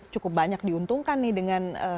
cukup banyak diuntungkan nih dengan